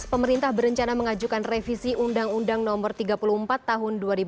pemerintah berencana mengajukan revisi undang undang no tiga puluh empat tahun dua ribu dua